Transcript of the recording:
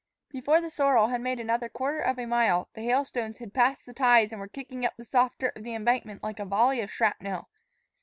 Before the sorrel made another quarter of a mile, the hailstones had passed the ties and were kicking up the soft dirt of the embankment like a volley of shrapnel.